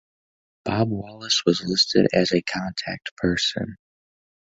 Bob Wallace was listed as a contact person.